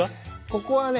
ここはね